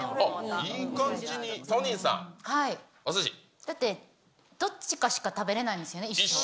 いい感じに、だって、どっちかしか食べれないんですよね。